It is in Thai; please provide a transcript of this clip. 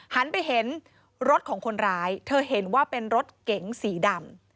หันไปเห็นรถของคนร้ายเธอเห็นว่าเป็นรถเก๋งสีดำ